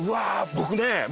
僕ね